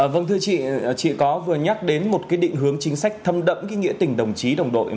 vâng thưa chị chị có vừa nhắc đến một định hướng chính sách thấm đẫm nghĩa tình đồng chí đồng đội